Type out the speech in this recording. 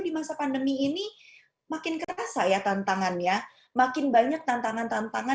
di masa pandemi ini makin kerasa ya tantangannya makin banyak tantangan tantangan